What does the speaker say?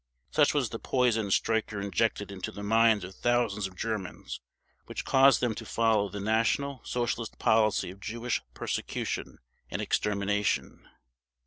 Such was the poison Streicher injected into the minds of thousands of Germans which caused them to follow the National Socialist policy of Jewish persecution and extermination.